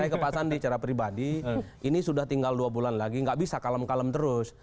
saya ke pak sandi secara pribadi ini sudah tinggal dua bulan lagi nggak bisa kalem kalem terus